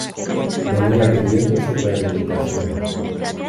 venía pidiendo su rehabilitación